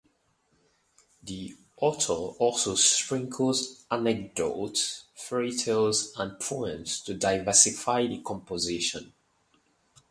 The author also sprinkles anecdotes, fairytales and poems to diversify the composition.